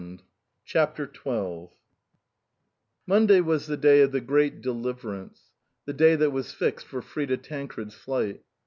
115 CHAPTER XII MONDAY was the day of the great deliver ance, the day that was fixed for Frida Tancred's flight.